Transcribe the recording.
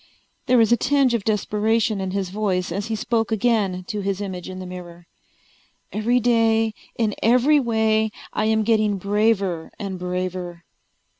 There was a tinge of desperation in his voice as he spoke again to his image in the mirror: "Every day in every way I am getting braver and braver."